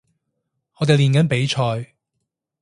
我哋練緊比賽